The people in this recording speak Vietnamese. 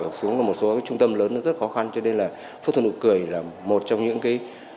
xuống một số trung tâm lớn nó rất khó khăn cho nên là phẫu thuật nụ cười là một trong những cái